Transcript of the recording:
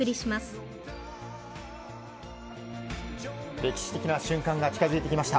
歴史的な瞬間が近づいてきました。